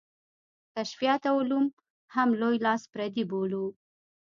کشفیات او علوم هم په لوی لاس پردي بولو.